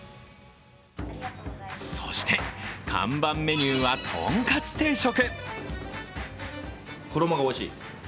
そして、看板メニューはとんかつ定食。